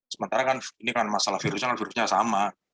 sementara kan ini kan masalah virusnya kan virusnya sama